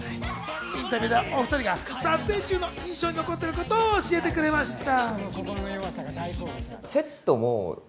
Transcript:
インタビューではお２人が撮影中の印象に残っていることを教えてくれました。